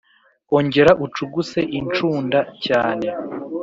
ongera ucuguse incunda cyane